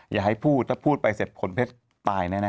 อย่าให้พูดถ้าพูดไปเสร็จผลเพชรตายแน่